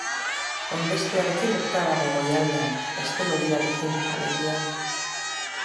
Ondestearekin lotuta dago goialdean, heste lodiarekin alegia.